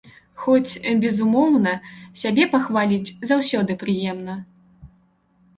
Хоць, безумоўна, сябе пахваліць заўсёды прыемна.